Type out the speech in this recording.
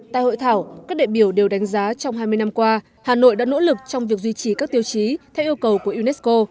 tại hội thảo các đệ biểu đều đánh giá trong hai mươi năm qua hà nội đã nỗ lực trong việc duy trì các tiêu chí theo yêu cầu của unesco